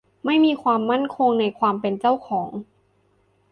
ไม่มีความมั่นคงในความเป็นเจ้าของ